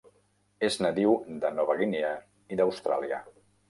És nadiu de Nova Guinea i d'Austràlia.